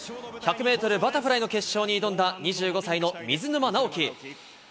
１００メートルバタフライの決勝に挑んだ２５歳の水沼尚輝。